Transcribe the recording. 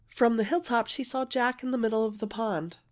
From the hill top she saw Jack in the middle of the pond.